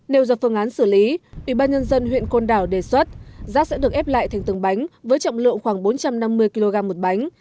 nếu do phương án xử lý ubnd huyện côn đảo đề xuất rác sẽ được ép lại thành từng bánh với trọng lượng khoảng bốn trăm năm mươi kg một bánh